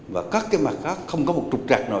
và các cái mặt khác không có một trục trạc nào